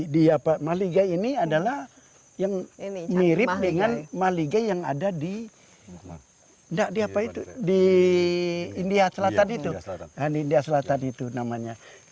di maliga ini adalah yang mirip dengan maliga yang ada di india selatan itu namanya